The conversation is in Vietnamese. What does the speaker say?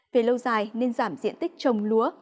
về lâu dài nên giảm diện tích trồng lúa